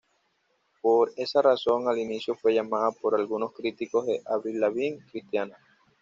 Por esa razón al inicio fue llamada por algunos críticos la "Avril Lavigne cristiana".